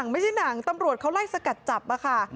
ไม่ใช่หนังตำรวจเขาไล่สกัดจับค่ะ